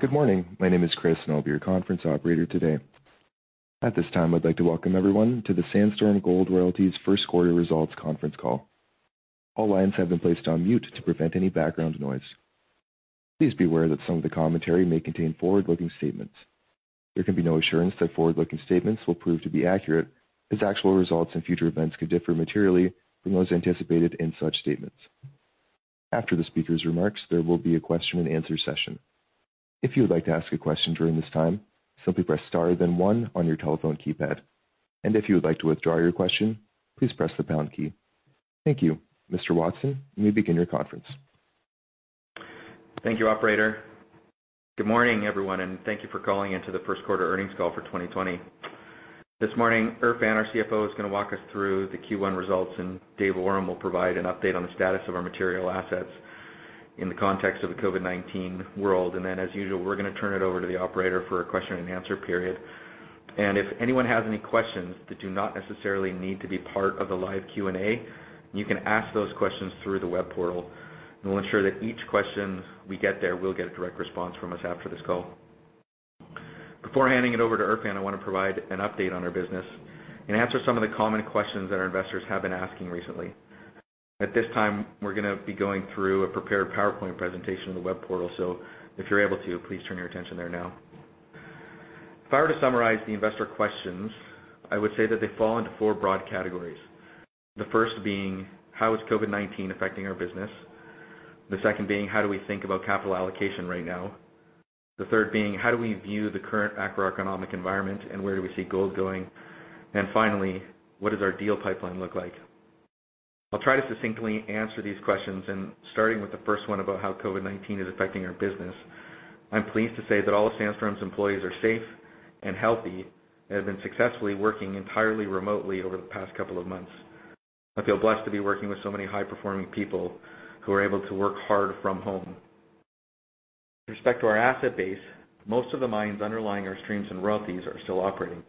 Good morning. My name is Chris, I'll be your Conference Operator today. At this time, I'd like to welcome everyone to the Sandstorm Gold Royalties first quarter results conference call. All lines have been placed on mute to prevent any background noise. Please be aware that some of the commentary may contain forward-looking statements. There can be no assurance that forward-looking statements will prove to be accurate, as actual results and future events could differ materially from those anticipated in such statements. After the speaker's remarks, there will be a question and answer session. If you would like to ask a question during this time, simply press star then one on your telephone keypad. If you would like to withdraw your question, please press the pound key. Thank you. Mr. Watson, you may begin your conference. Thank you, operator. Good morning, everyone. Thank you for calling in to the first quarter earnings call for 2020. This morning, Erfan, our CFO, is going to walk us through the Q1 results, and David Awram will provide an update on the status of our material assets in the context of the COVID-19 world. Then, as usual, we're going to turn it over to the operator for a question and answer period. If anyone has any questions that do not necessarily need to be part of the live Q&A, you can ask those questions through the web portal, and we'll ensure that each question we get there will get a direct response from us after this call. Before handing it over to Erfan, I want to provide an update on our business and answer some of the common questions that our investors have been asking recently. At this time, we're going to be going through a prepared PowerPoint presentation on the web portal. If you're able to, please turn your attention there now. If I were to summarize the investor questions, I would say that they fall into four broad categories. The first being, how is COVID-19 affecting our business? The second being, how do we think about capital allocation right now? The third being, how do we view the current macroeconomic environment, and where do we see gold going? Finally, what does our deal pipeline look like? I'll try to succinctly answer these questions and starting with the first one about how COVID-19 is affecting our business, I'm pleased to say that all of Sandstorm's employees are safe and healthy and have been successfully working entirely remotely over the past couple of months. I feel blessed to be working with so many high-performing people who are able to work hard from home. With respect to our asset base, most of the mines underlying our streams and royalties are still operating.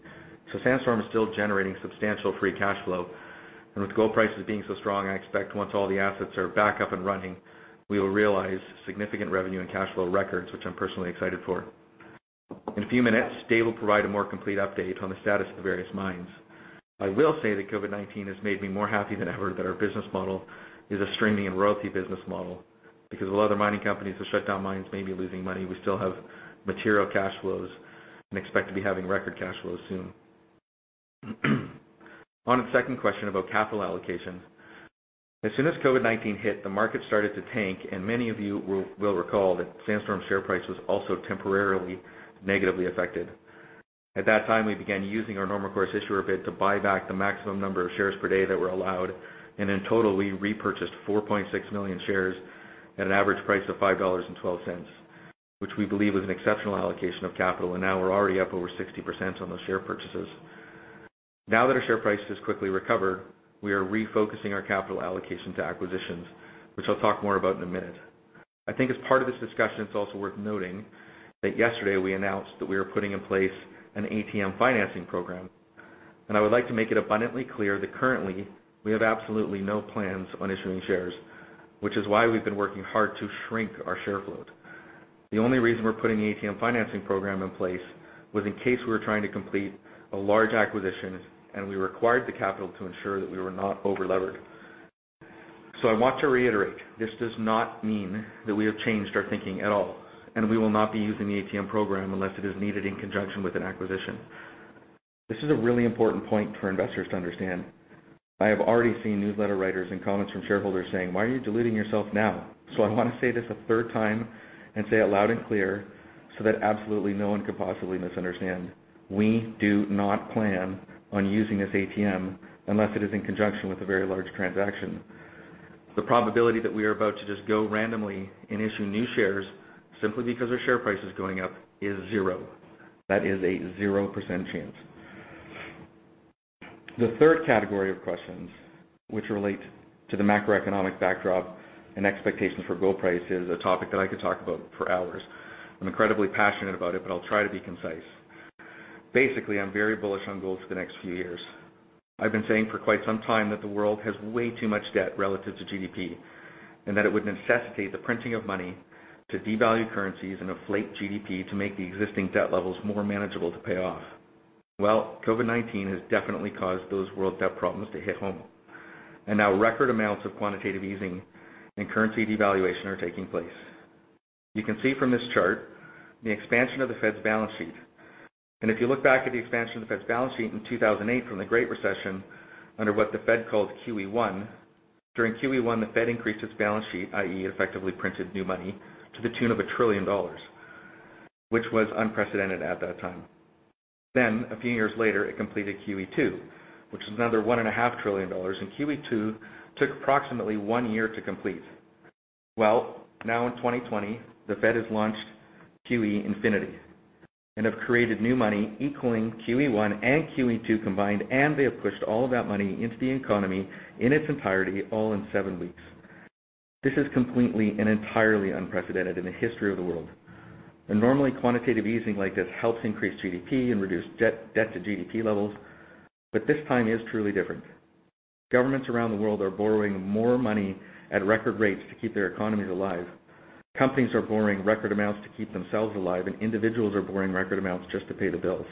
Sandstorm is still generating substantial free cash flow. With gold prices being so strong, I expect once all the assets are back up and running, we will realize significant revenue and cash flow records, which I'm personally excited for. In a few minutes, Dave will provide a more complete update on the status of the various mines. I will say that COVID-19 has made me more happy than ever that our business model is a streaming and royalty business model, because while other mining companies have shut down mines, may be losing money, we still have material cash flows and expect to be having record cash flows soon. On the second question about capital allocation, as soon as COVID-19 hit, the market started to tank, many of you will recall that Sandstorm share price was also temporarily negatively affected. At that time, we began using our normal course issuer bid to buy back the maximum number of shares per day that were allowed. In total, we repurchased 4.6 million shares at an average price of $5.12, which we believe was an exceptional allocation of capital. Now we're already up over 60% on those share purchases. Now that our share price has quickly recovered, we are refocusing our capital allocation to acquisitions, which I'll talk more about in a minute. I think as part of this discussion, it's also worth noting that yesterday we announced that we are putting in place an ATM financing program, and I would like to make it abundantly clear that currently we have absolutely no plans on issuing shares, which is why we've been working hard to shrink our share float. The only reason we're putting the ATM financing program in place was in case we were trying to complete a large acquisition, and we required the capital to ensure that we were not overlevered. I want to reiterate, this does not mean that we have changed our thinking at all, and we will not be using the ATM program unless it is needed in conjunction with an acquisition. This is a really important point for investors to understand. I have already seen newsletter writers and comments from shareholders saying, "Why are you diluting yourself now?" I want to say this a third time and say it loud and clear so that absolutely no one could possibly misunderstand. We do not plan on using this ATM unless it is in conjunction with a very large transaction. The probability that we are about to just go randomly and issue new shares simply because our share price is going up is zero. That is a zero % chance. The third category of questions, which relate to the macroeconomic backdrop and expectations for gold price, is a topic that I could talk about for hours. I'm incredibly passionate about it, but I'll try to be concise. Basically, I'm very bullish on gold for the next few years. I've been saying for quite some time that the world has way too much debt relative to GDP, and that it would necessitate the printing of money to devalue currencies and inflate GDP to make the existing debt levels more manageable to pay off. Well, COVID-19 has definitely caused those world debt problems to hit home, and now record amounts of quantitative easing and currency devaluation are taking place. You can see from this chart the expansion of the Fed's balance sheet. If you look back at the expansion of the Fed's balance sheet in 2008 from the Great Recession under what the Fed called QE1, during QE1, the Fed increased its balance sheet, i.e., effectively printed new money to the tune of $1 trillion, which was unprecedented at that time. A few years later, it completed QE2, which was another one and a half trillion dollars, and QE2 took approximately one year to complete. Well, now in 2020, the Fed has launched QE infinity and have created new money equaling QE1 and QE2 combined, and they have pushed all of that money into the economy in its entirety, all in seven weeks. This is completely and entirely unprecedented in the history of the world. Normally, quantitative easing like this helps increase GDP and reduce debt to GDP levels, but this time is truly different. Governments around the world are borrowing more money at record rates to keep their economies alive. Companies are borrowing record amounts to keep themselves alive, and individuals are borrowing record amounts just to pay the bills.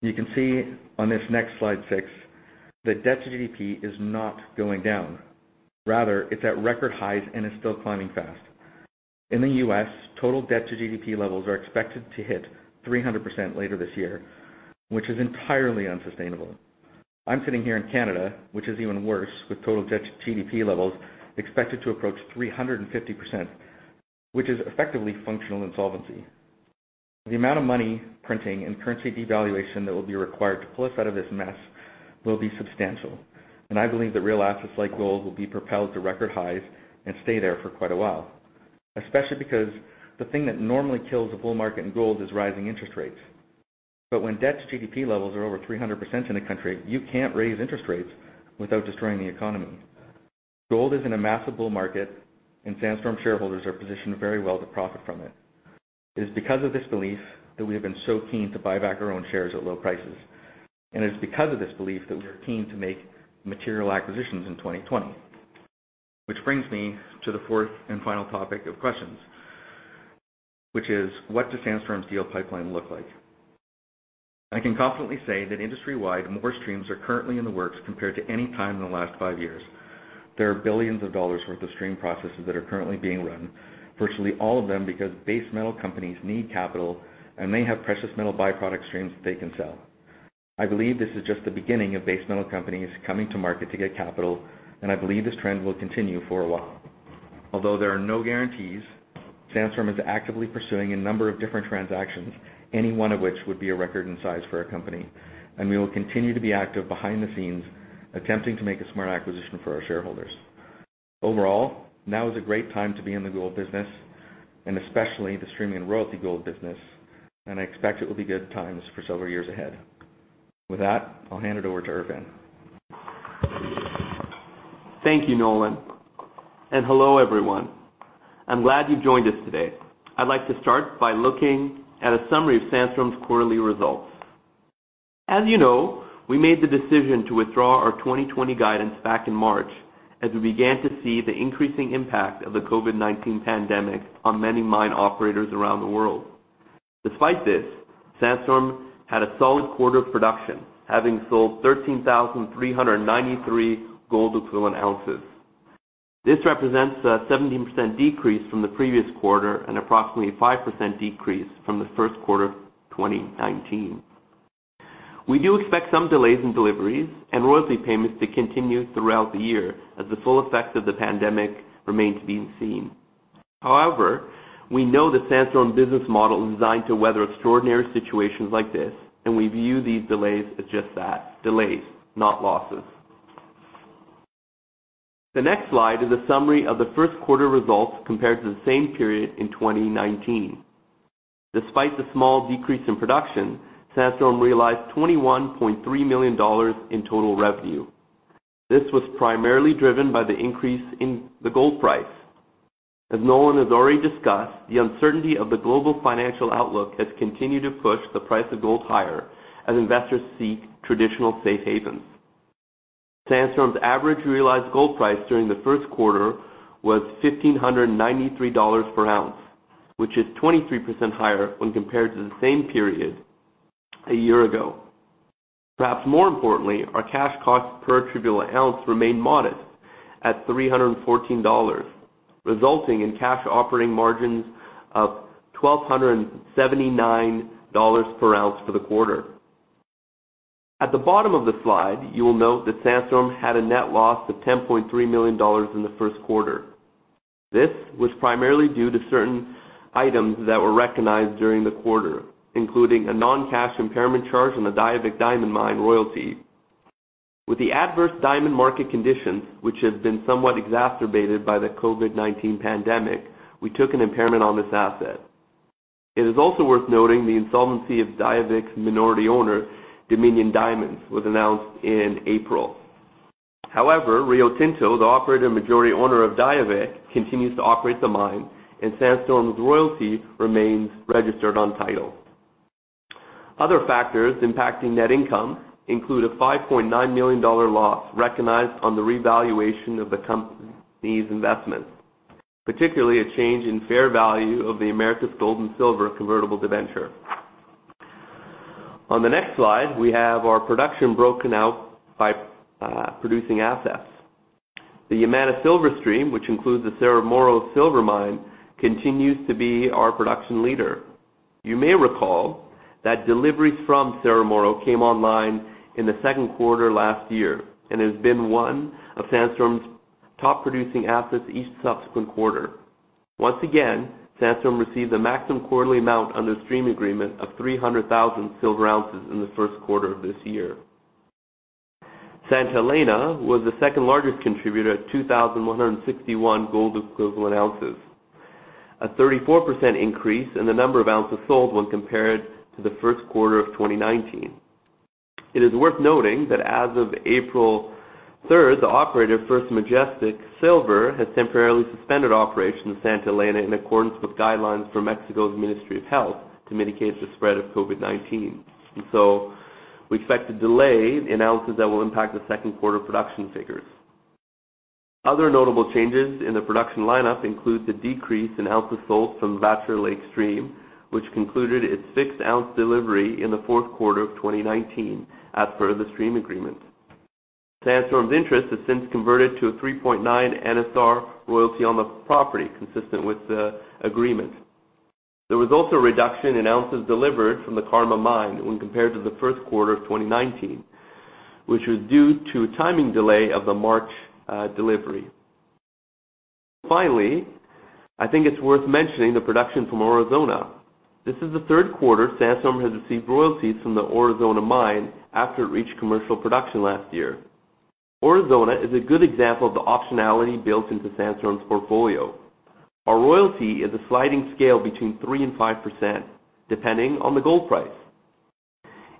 You can see on this next slide six, that debt to GDP is not going down. Rather, it's at record highs and is still climbing fast. In the U.S., total debt to GDP levels are expected to hit 300% later this year, which is entirely unsustainable. I'm sitting here in Canada, which is even worse, with total debt to GDP levels expected to approach 350%, which is effectively functional insolvency. The amount of money printing and currency devaluation that will be required to pull us out of this mess will be substantial, and I believe that real assets like gold will be propelled to record highs and stay there for quite a while. Especially because the thing that normally kills a bull market in gold is rising interest rates. When debt to GDP levels are over 300% in a country, you can't raise interest rates without destroying the economy. Gold is in a massive bull market, and Sandstorm shareholders are positioned very well to profit from it. It is because of this belief that we have been so keen to buy back our own shares at low prices, and it is because of this belief that we are keen to make material acquisitions in 2020. Which brings me to the fourth and final topic of questions, which is, what does Sandstorm's deal pipeline look like? I can confidently say that industry-wide, more streams are currently in the works compared to any time in the last five years. There are billions of dollars worth of stream processes that are currently being run, virtually all of them because base metal companies need capital and may have precious metal by-product streams that they can sell. I believe this is just the beginning of base metal companies coming to market to get capital, and I believe this trend will continue for a while. Although there are no guarantees, Sandstorm is actively pursuing a number of different transactions, any one of which would be a record in size for our company, and we will continue to be active behind the scenes, attempting to make a smart acquisition for our shareholders. Overall, now is a great time to be in the gold business, and especially the streaming royalty gold business, and I expect it will be good times for several years ahead. With that, I'll hand it over to Erfan. Thank you, Nolan. Hello, everyone. I'm glad you joined us today. I'd like to start by looking at a summary of Sandstorm's quarterly results. As you know, we made the decision to withdraw our 2020 guidance back in March as we began to see the increasing impact of the COVID-19 pandemic on many mine operators around the world. Despite this, Sandstorm had a solid quarter of production, having sold 13,393 gold equivalent ounces. This represents a 17% decrease from the previous quarter and approximately a 5% decrease from the first quarter of 2019. We do expect some delays in deliveries and royalty payments to continue throughout the year as the full effect of the pandemic remains to be seen. We know that Sandstorm's business model is designed to weather extraordinary situations like this, and we view these delays as just that, delays, not losses. The next slide is a summary of the first quarter results compared to the same period in 2019. Despite the small decrease in production, Sandstorm realized $21.3 million in total revenue. This was primarily driven by the increase in the gold price. As Nolan has already discussed, the uncertainty of the global financial outlook has continued to push the price of gold higher as investors seek traditional safe havens. Sandstorm's average realized gold price during the first quarter was $1,593 per ounce, which is 23% higher when compared to the same period a year ago. Perhaps more importantly, our cash cost per attributable ounce remained modest at $314, resulting in cash operating margins of $1,279 per ounce for the quarter. At the bottom of the slide, you will note that Sandstorm had a net loss of $10.3 million in the first quarter. This was primarily due to certain items that were recognized during the quarter, including a non-cash impairment charge on the Diavik Diamond Mine royalty. With the adverse diamond market conditions, which have been somewhat exacerbated by the COVID-19 pandemic, we took an impairment on this asset. It is also worth noting the insolvency of Diavik's minority owner, Dominion Diamond Mines, was announced in April. However, Rio Tinto, the operator and majority owner of Diavik, continues to operate the mine, and Sandstorm's royalty remains registered on title. Other factors impacting net income include a $5.9 million loss recognized on the revaluation of the company's investments, particularly a change in fair value of the Americas Gold and Silver convertible debenture. On the next slide, we have our production broken out by producing assets. The Yamana Silver Stream, which includes the Cerro Moro Mine, continues to be our production leader. You may recall that deliveries from Cerro Moro came online in the second quarter last year and has been one of Sandstorm's top-producing assets each subsequent quarter. Once again, Sandstorm received the maximum quarterly amount on the stream agreement of 300,000 silver ounces in the first quarter of this year. Santa Elena was the second largest contributor at 2,161 gold equivalent ounces, a 34% increase in the number of ounces sold when compared to the first quarter of 2019. It is worth noting that as of April 3rd, the operator, First Majestic Silver, has temporarily suspended operations at Santa Elena in accordance with guidelines from Mexico's Ministry of Health to mitigate the spread of COVID-19. We expect a delay in ounces that will impact the second quarter production figures. Other notable changes in the production lineup include the decrease in ounces sold from Bachelor Lake stream, which concluded its fixed ounce delivery in the fourth quarter of 2019 as per the stream agreement. Sandstorm's interest has since converted to a 3.9% NSR royalty on the property, consistent with the agreement. There was also a reduction in ounces delivered from the Karma Mine when compared to the first quarter of 2019, which was due to timing delay of the March delivery. I think it's worth mentioning the production from Aurizona. This is the third quarter Sandstorm has received royalties from the Aurizona Mine after it reached commercial production last year. Aurizona is a good example of the optionality built into Sandstorm's portfolio. Our royalty is a sliding scale between 3% and 5%, depending on the gold price.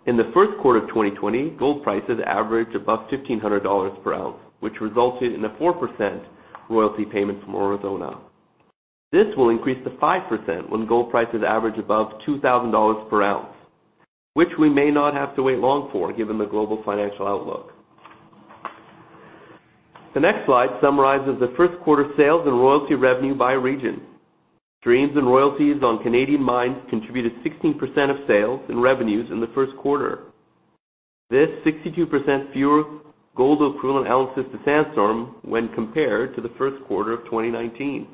In the first quarter of 2020, gold prices averaged above $1,500 per ounce, which resulted in a 4% royalty payment from Aurizona. This will increase to 5% when gold prices average above $2,000 per ounce, which we may not have to wait long for, given the global financial outlook. The next slide summarizes the first quarter sales and royalty revenue by region. Streams and royalties on Canadian mines contributed 16% of sales and revenues in the first quarter. This is 62% fewer gold equivalent ounces to Sandstorm when compared to the first quarter of 2019.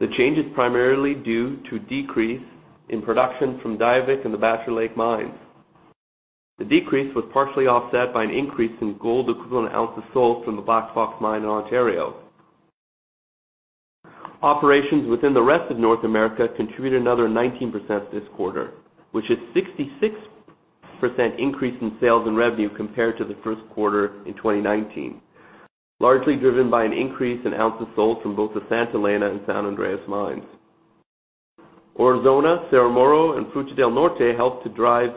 The change is primarily due to a decrease in production from Diavik and the Bachelor Lake mines. The decrease was partially offset by an increase in gold equivalent ounces sold from the Black Fox mine in Ontario. Operations within the rest of North America contributed another 19% this quarter, which is a 66% increase in sales and revenue compared to the first quarter in 2019, largely driven by an increase in ounces sold from both the Santa Elena and San Andres mines. Aurizona, Cerro Moro and Fruta del Norte helped to drive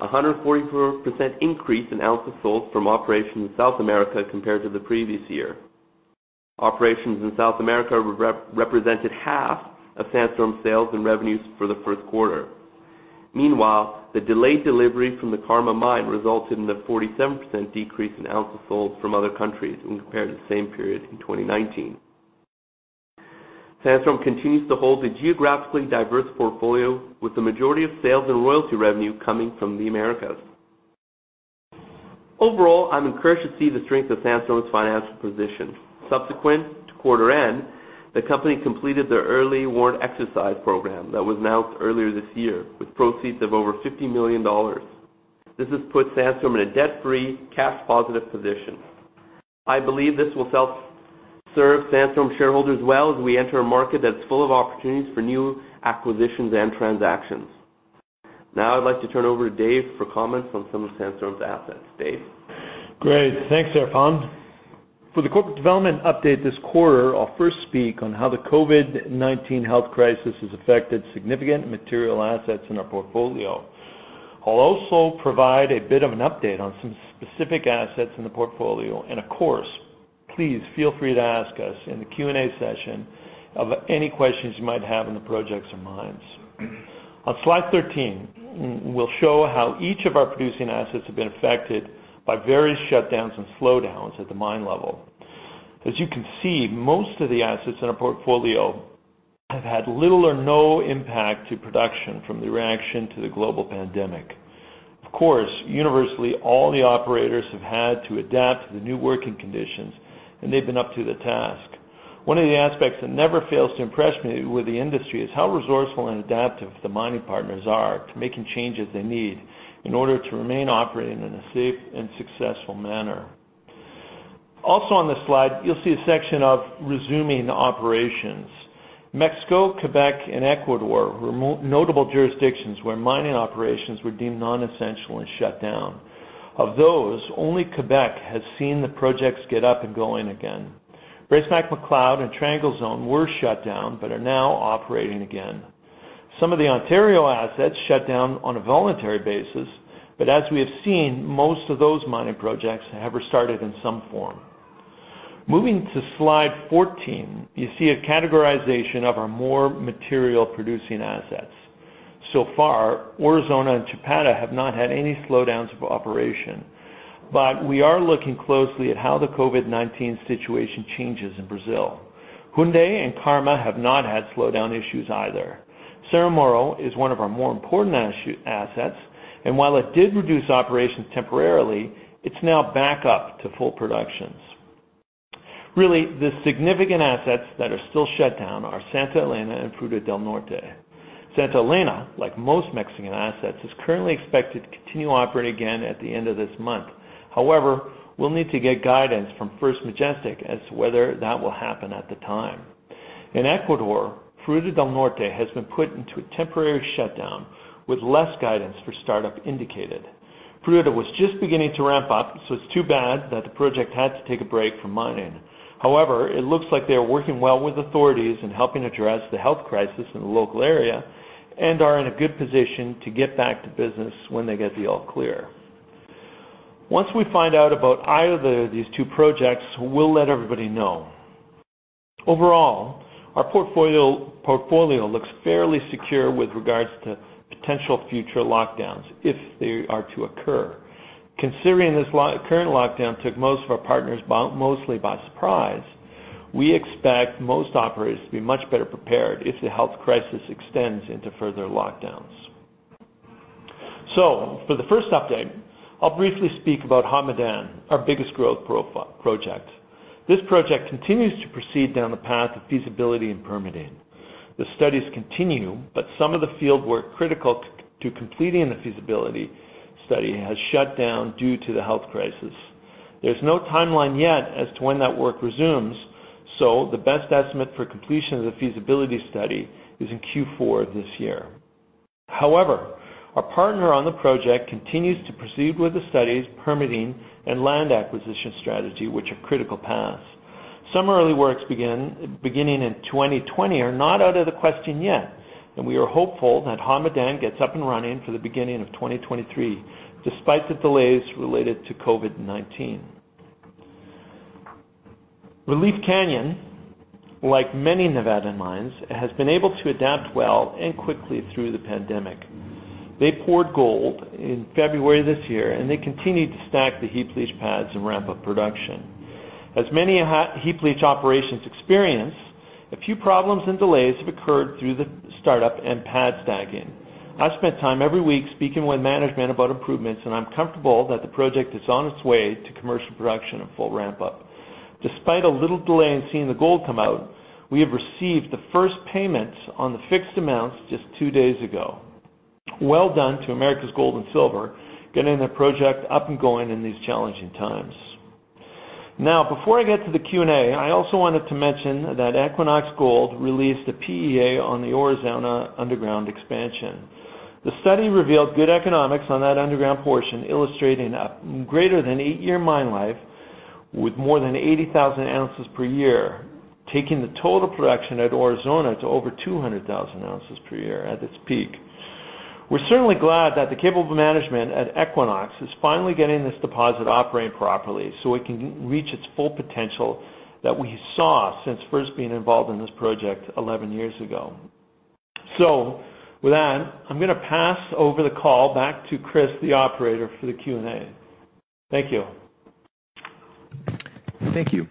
144% increase in ounces sold from operations in South America compared to the previous year. Operations in South America represented half of Sandstorm's sales and revenues for the first quarter. The delayed delivery from the Karma Mine resulted in a 47% decrease in ounces sold from other countries when compared to the same period in 2019. Sandstorm continues to hold a geographically diverse portfolio, with the majority of sales and royalty revenue coming from the Americas. Overall, I'm encouraged to see the strength of Sandstorm's financial position. Subsequent to quarter end, the company completed their early warrant exercise program that was announced earlier this year with proceeds of over $50 million. This has put Sandstorm in a debt-free, cash positive position. I believe this will serve Sandstorm shareholders well as we enter a market that's full of opportunities for new acquisitions and transactions. I'd like to turn over to Dave for comments on some of Sandstorm's assets. Dave? Great. Thanks, Erfan. For the corporate development update this quarter, I'll first speak on how the COVID-19 health crisis has affected significant material assets in our portfolio. I'll also provide a bit of an update on some specific assets in the portfolio. Of course, please feel free to ask us in the Q&A session of any questions you might have on the projects or mines. On slide 13, we'll show how each of our producing assets have been affected by various shutdowns and slowdowns at the mine level. As you can see, most of the assets in our portfolio have had little or no impact to production from the reaction to the global pandemic. Of course, universally, all the operators have had to adapt to the new working conditions and they've been up to the task. One of the aspects that never fails to impress me with the industry is how resourceful and adaptive the mining partners are to making changes they need in order to remain operating in a safe and successful manner. Also on this slide, you'll see a section of resuming operations. Mexico, Quebec and Ecuador were notable jurisdictions where mining operations were deemed non-essential and shut down. Of those, only Quebec has seen the projects get up and going again. Bracemac-McLeod and Triangle Zone were shut down but are now operating again. Some of the Ontario assets shut down on a voluntary basis, but as we have seen, most of those mining projects have restarted in some form. Moving to slide 14, you see a categorization of our more material producing assets. So far, Aurizona and Chapada have not had any slowdowns of operation, but we are looking closely at how the COVID-19 situation changes in Brazil. Houndé and Karma have not had slowdown issues either. Cerro Moro is one of our more important assets, and while it did reduce operations temporarily, it's now back up to full productions. Really, the significant assets that are still shut down are Santa Elena and Fruta del Norte. Santa Elena, like most Mexican assets, is currently expected to continue operating again at the end of this month. However, we'll need to get guidance from First Majestic as to whether that will happen at the time. In Ecuador, Fruta del Norte has been put into a temporary shutdown with less guidance for startup indicated. Fruta was just beginning to ramp up, so it's too bad that the project had to take a break from mining. It looks like they are working well with authorities in helping address the health crisis in the local area and are in a good position to get back to business when they get the all clear. Once we find out about either of these two projects, we'll let everybody know. Our portfolio looks fairly secure with regards to potential future lockdowns if they are to occur. Considering this current lockdown took most of our partners mostly by surprise, we expect most operators to be much better prepared if the health crisis extends into further lockdowns. For the first update, I'll briefly speak about Hod Maden, our biggest growth project. This project continues to proceed down the path of feasibility and permitting. The studies continue, but some of the field work critical to completing the feasibility study has shut down due to the health crisis. There's no timeline yet as to when that work resumes. The best estimate for completion of the feasibility study is in Q4 of this year. Our partner on the project continues to proceed with the studies, permitting, and land acquisition strategy, which are critical paths. Some early works beginning in 2020 are not out of the question yet. We are hopeful that Hod Maden gets up and running for the beginning of 2023, despite the delays related to COVID-19. Relief Canyon, like many Nevada mines, has been able to adapt well and quickly through the pandemic. They poured gold in February this year. They continued to stack the heap leach pads and ramp up production. As many heap leach operations experience, a few problems and delays have occurred through the startup and pad stacking. I've spent time every week speaking with management about improvements, I'm comfortable that the project is on its way to commercial production and full ramp-up. Despite a little delay in seeing the gold come out, we have received the first payments on the fixed amounts just two days ago. Well done to Americas Gold and Silver, getting the project up and going in these challenging times. Before I get to the Q&A, I also wanted to mention that Equinox Gold released a PEA on the Aurizona underground expansion. The study revealed good economics on that underground portion, illustrating a greater than eight-year mine life with more than 80,000 ounces per year, taking the total production at Aurizona to over 200,000 ounces per year at its peak. We're certainly glad that the capable management at Equinox is finally getting this deposit operating properly so it can reach its full potential that we saw since first being involved in this project 11 years ago. With that, I'm going to pass over the call back to Chris, the operator, for the Q&A. Thank you. Thank you.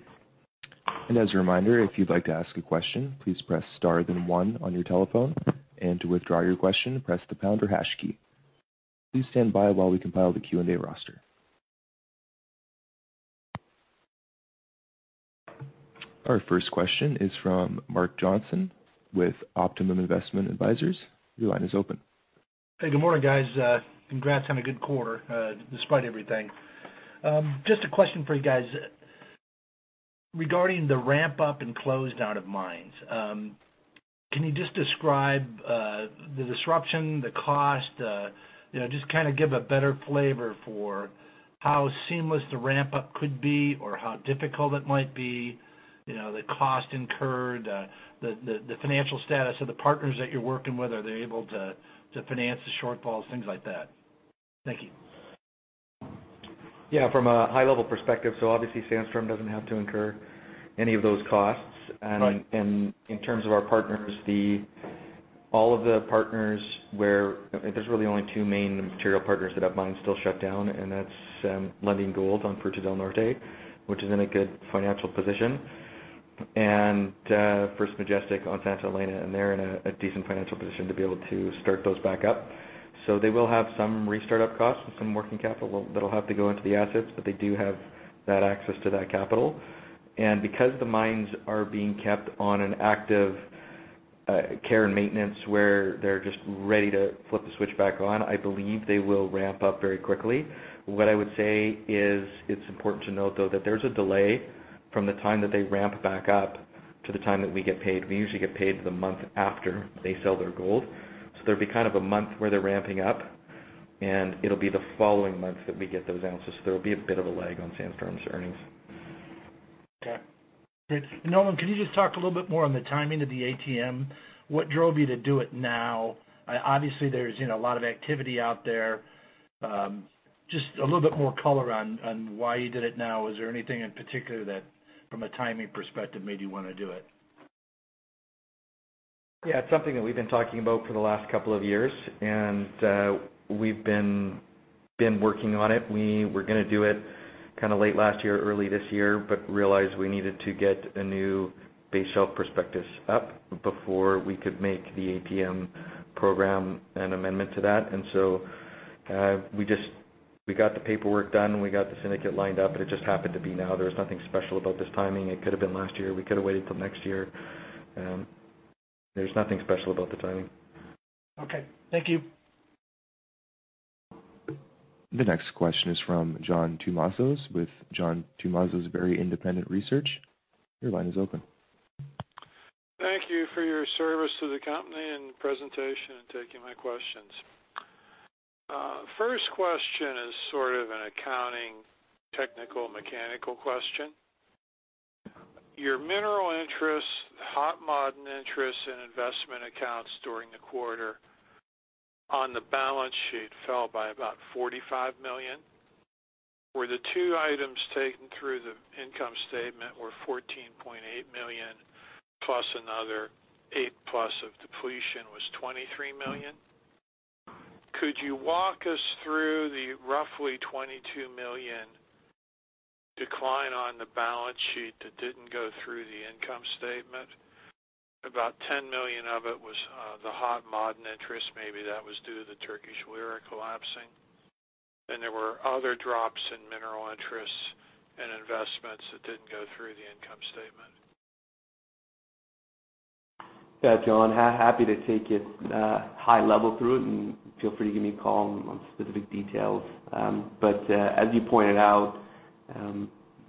As a reminder, if you'd like to ask a question, please press star then one on your telephone, and to withdraw your question, press the pound or hash key. Please stand by while we compile the Q&A roster. Our first question is from Mark Johnson with Optimum Investment Advisors. Your line is open. Hey, good morning, guys. Congrats on a good quarter, despite everything. Just a question for you guys regarding the ramp-up and close down of mines. Can you just describe the disruption, the cost, just give a better flavor for how seamless the ramp-up could be or how difficult it might be, the cost incurred, the financial status of the partners that you're working with? Are they able to finance the shortfalls, things like that? Thank you. Yeah, from a high-level perspective, obviously Sandstorm doesn't have to incur any of those costs. Right. In terms of our partners, all of the partners where there's really only two main material partners that have mines still shut down, that's Lundin Gold on Fruta del Norte, which is in a good financial position, and First Majestic on Santa Elena, and they're in a decent financial position to be able to start those back up. They will have some restart up costs and some working capital that'll have to go into the assets, but they do have that access to that capital. Because the mines are being kept on an active care and maintenance where they're just ready to flip the switch back on, I believe they will ramp up very quickly. What I would say is it's important to note, though, that there's a delay from the time that they ramp back up to the time that we get paid. We usually get paid the month after they sell their gold. There'd be a month where they're ramping up, and it'll be the following month that we get those ounces. There'll be a bit of a lag on Sandstorm's earnings. Okay. Nolan, can you just talk a little bit more on the timing of the ATM? What drove you to do it now? Obviously, there's a lot of activity out there. Just a little bit more color on why you did it now. Is there anything in particular that, from a timing perspective, made you want to do it? It's something that we've been talking about for the last couple of years, and we've been working on it. We were going to do it late last year, early this year, but realized we needed to get a new base shelf prospectus up before we could make the ATM program an amendment to that. We got the paperwork done, we got the syndicate lined up, and it just happened to be now. There was nothing special about this timing. It could have been last year. We could have waited till next year. There's nothing special about the timing. Okay. Thank you. The next question is from John Tumazos with John Tumazos Very Independent Research. Your line is open. Thank you for your service to the company and presentation and taking my questions. First question is an accounting, technical, mechanical question. Your mineral interests, Hod Maden interests, and investment accounts during the quarter on the balance sheet fell by about $45 million. Where the two items taken through the income statement were $14.8 million, plus another eight plus of depletion was $23 million. Could you walk us through the roughly $22 million decline on the balance sheet that didn't go through the income statement? About $10 million of it was the Hod Maden interest. Maybe that was due to the Turkish lira collapsing. There were other drops in mineral interests and investments that didn't go through the income statement. John. Happy to take it high level through it, and feel free to give me a call on specific details. As you pointed out,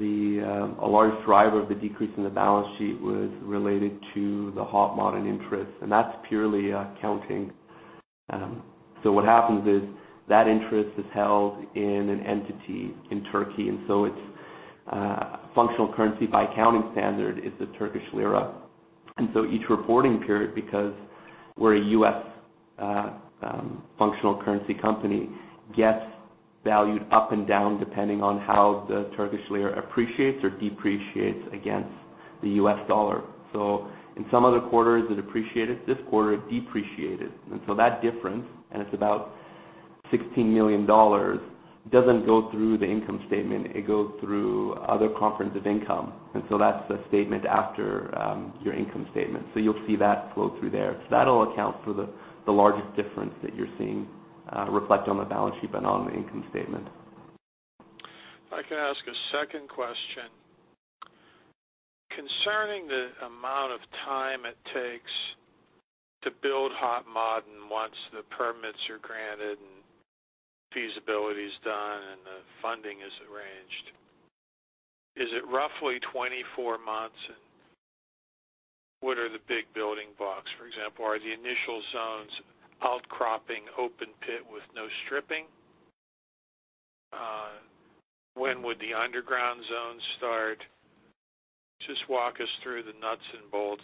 a large driver of the decrease in the balance sheet was related to the Hod Maden interest, and that's purely accounting. What happens is that interest is held in an entity in Turkey. Its functional currency by accounting standard is the Turkish lira. Each reporting period, because we're a U.S. functional currency company, gets valued up and down depending on how the Turkish lira appreciates or depreciates against the U.S. dollar. In some of the quarters, it appreciated. This quarter, it depreciated. That difference, and it's about $16 million, doesn't go through the income statement. It goes through other comprehensive income. That's the statement after your income statement. You'll see that flow through there. That'll account for the largest difference that you're seeing reflect on the balance sheet and on the income statement. If I can ask a second question. Concerning the amount of time it takes to build Hod Maden once the permits are granted, and feasibility's done, and the funding is arranged, is it roughly 24 months, and what are the big building blocks? For example, are the initial zones outcropping open pit with no stripping? When would the underground zones start? Just walk us through the nuts and bolts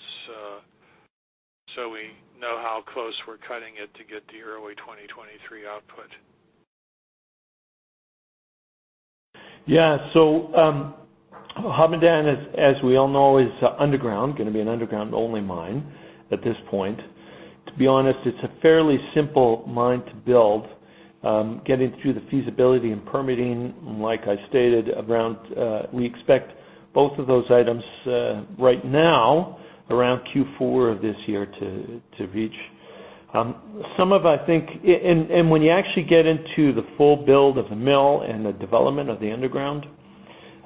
so we know how close we're cutting it to get to early 2023 output. Hod Maden, as we all know, is underground, going to be an underground-only mine at this point. To be honest, it's a fairly simple mine to build. Getting through the feasibility and permitting, like I stated, we expect both of those items right now around Q4 of this year to reach. When you actually get into the full build of the mill and the development of the underground,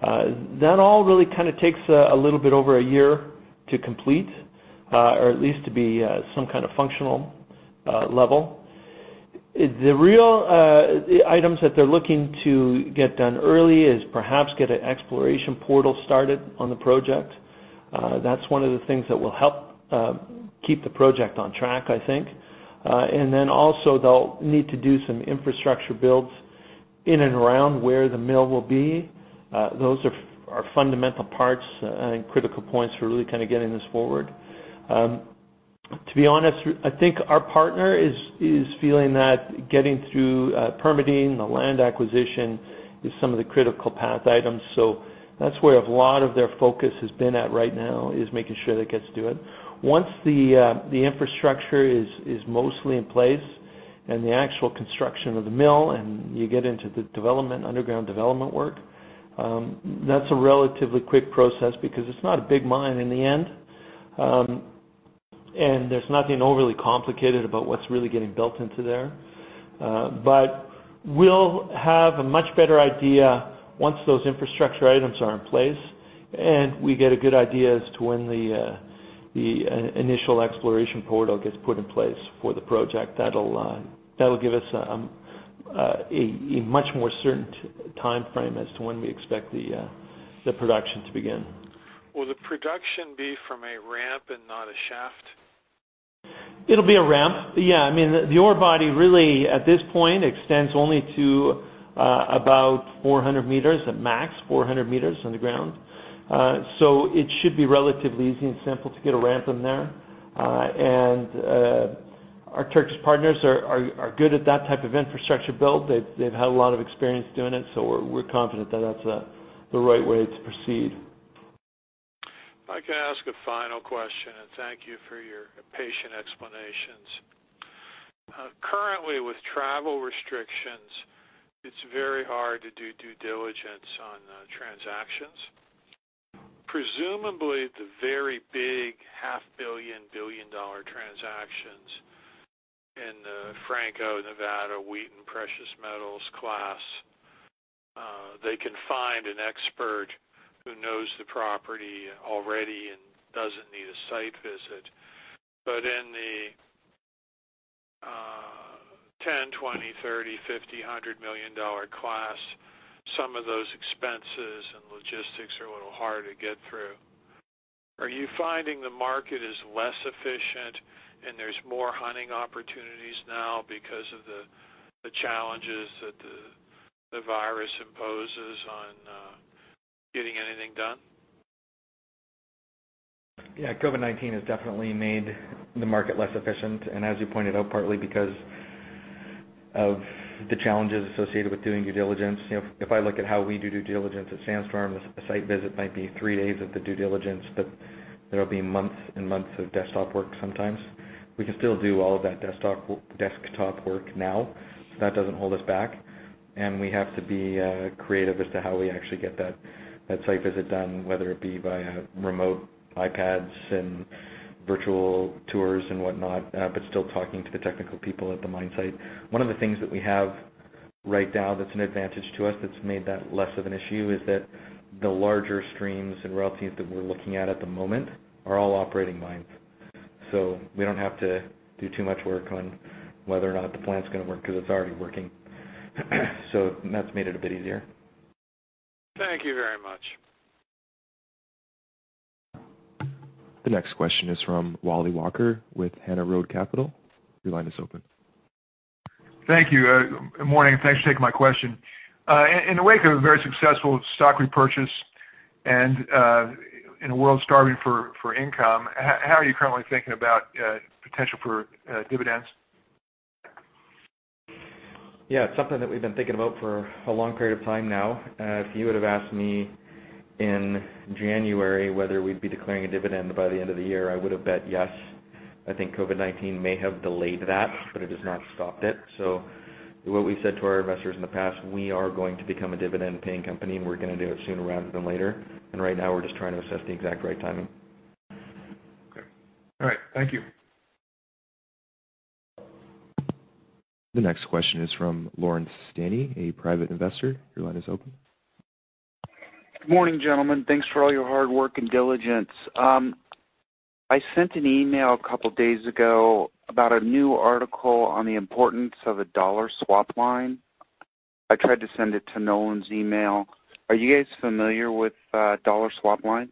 that all really kind of takes a little bit over a year to complete, or at least to be some kind of functional level. The items that they're looking to get done early is perhaps get an exploration portal started on the project. That's one of the things that will help keep the project on track, I think. They'll need to do some infrastructure builds in and around where the mill will be. Those are fundamental parts and critical points for really kind of getting this forward. To be honest, I think our partner is feeling that getting through permitting, the land acquisition is some of the critical path items. That's where a lot of their focus has been at right now, is making sure that gets done. Once the infrastructure is mostly in place and the actual construction of the mill and you get into the underground development work, that's a relatively quick process because it's not a big mine in the end. There's nothing overly complicated about what's really getting built into there. We'll have a much better idea once those infrastructure items are in place and we get a good idea as to when the initial exploration portal gets put in place for the project. That'll give us a much more certain timeframe as to when we expect the production to begin. Will the production be from a ramp and not a shaft? It'll be a ramp. Yeah. I mean, the ore body really, at this point, extends only to about 400 meters at max, 400 meters underground. It should be relatively easy and simple to get a ramp in there. Our Turkish partners are good at that type of infrastructure build. They've had a lot of experience doing it, so we're confident that that's the right way to proceed. If I can ask a final question, and thank you for your patient explanations. Currently with travel restrictions, it's very hard to do due diligence on transactions. Presumably, the very big half billion-dollar transactions in the Franco-Nevada, Wheaton Precious Metals class, they can find an expert who knows the property already and doesn't need a site visit. In the $10 million, $20 million, $30 million, $50 million, $100 million class, some of those expenses and logistics are a little hard to get through. Are you finding the market is less efficient and there's more hunting opportunities now because of the challenges that the virus imposes on getting anything done? COVID-19 has definitely made the market less efficient, and as you pointed out, partly because of the challenges associated with doing due diligence. If I look at how we do due diligence at Sandstorm, a site visit might be three days of the due diligence, but there'll be months and months of desktop work sometimes. We can still do all of that desktop work now. That doesn't hold us back, and we have to be creative as to how we actually get that site visit done, whether it be via remote iPads and virtual tours and whatnot, but still talking to the technical people at the mine site. One of the things that we have right now that's an advantage to us, that's made that less of an issue, is that the larger streams and royalties that we're looking at at the moment are all operating mines. We don't have to do too much work on whether or not the plan's going to work, because it's already working. That's made it a bit easier. Thank you very much. The next question is from Wally Walker with Hana Road Capital. Your line is open. Thank you. Good morning. Thanks for taking my question. In the wake of a very successful stock repurchase and in a world starving for income, how are you currently thinking about potential for dividends? It's something that we've been thinking about for a long period of time now. If you would've asked me in January whether we'd be declaring a dividend by the end of the year, I would've bet yes. I think COVID-19 may have delayed that, but it has not stopped it. What we said to our investors in the past, we are going to become a dividend paying company, and we're going to do it sooner rather than later. Right now, we're just trying to assess the exact right timing. Okay. All right. Thank you. The next question is from Lawrence Stanney, a private investor. Your line is open. Good morning, gentlemen. Thanks for all your hard work and diligence. I sent an email a couple of days ago about a new article on the importance of a dollar swap line. I tried to send it to Nolan's email. Are you guys familiar with dollar swap lines?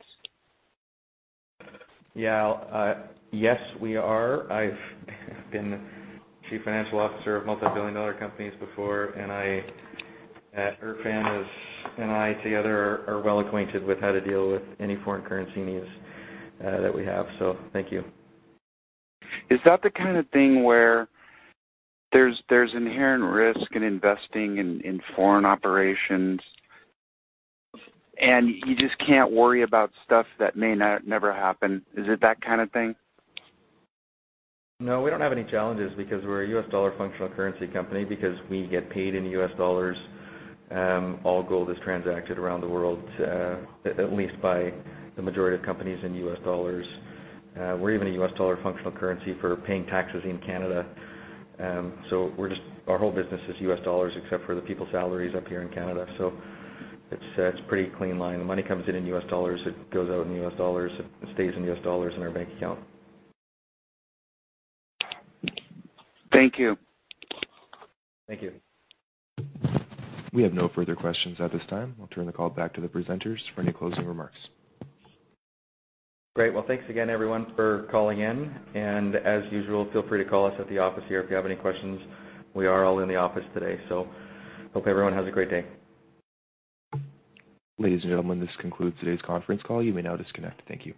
Yeah. Yes, we are. I've been Chief Financial Officer of multi-billion dollar companies before, and Erfan and I together are well acquainted with how to deal with any foreign currency needs that we have. Thank you. Is that the kind of thing where there's inherent risk in investing in foreign operations, and you just can't worry about stuff that may never happen? Is it that kind of thing? No, we don't have any challenges because we're a U.S. dollar functional currency company, because we get paid in U.S. dollars. All gold is transacted around the world, at least by the majority of companies, in U.S. dollars. We're even a U.S. dollar functional currency for paying taxes in Canada. Our whole business is U.S. dollars, except for the people's salaries up here in Canada. It's a pretty clean line. The money comes in in U.S. dollars, it goes out in U.S. dollars, it stays in U.S. dollars in our bank account. Thank you. Thank you. We have no further questions at this time. I'll turn the call back to the presenters for any closing remarks. Great. Well, thanks again, everyone, for calling in, and as usual, feel free to call us at the office here if you have any questions. We are all in the office today. Hope everyone has a great day. Ladies and gentlemen, this concludes today's conference call. You may now disconnect. Thank you.